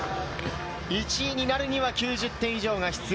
１位になるには９０点以上が必要。